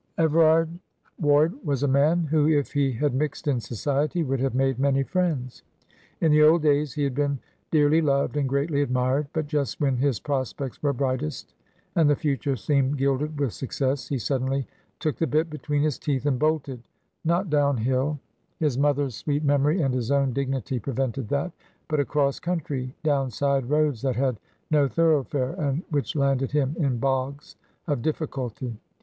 Everard Ward was a man who if he had mixed in society would have made many friends. In the old days he had been dearly loved and greatly admired; but just when his prospects were brightest and the future seemed gilded with success, he suddenly took the bit between his teeth and bolted not down hill; his mother's sweet memory and his own dignity prevented that but across country, down side roads that had no thoroughfare, and which landed him in bogs of difficulty.